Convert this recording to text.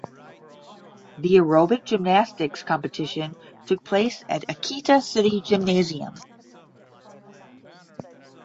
The aerobic gymnastics competition took place at Akita City Gymnasium.